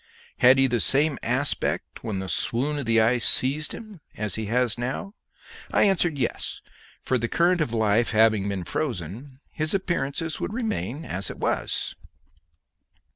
Had he the same aspect when the swoon of the ice seized him as he has now? I answered yes, for the current of life having been frozen, his appearance would remain as it was.